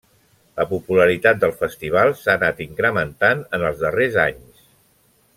La popularitat del festival s’ha anat incrementat en els darrers anys.